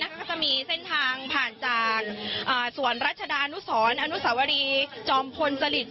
ก็จะมีเส้นทางผ่านจากสวนรัชดานุสรอนุสาวรีจอมพลจริต